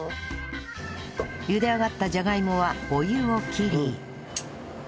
ゆで上がったじゃがいもはお湯を切り